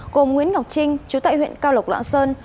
gồm nguyễn ngọc trinh chú tại huyện cao lộc lạng sơn